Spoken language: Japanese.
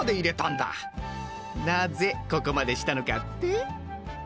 なぜここまでしたのかって？